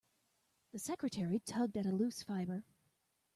The secretary tugged at a loose fibre.